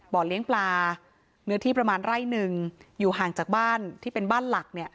เลี้ยงปลาเนื้อที่ประมาณไร่หนึ่งอยู่ห่างจากบ้านที่เป็นบ้านหลักเนี่ย